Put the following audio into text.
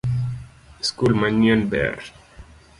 Skul manyien ber